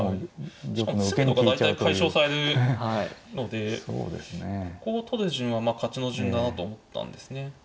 しかも詰めろが大体解消されるのでここを取る順は勝ちの順だなと思ったんですね。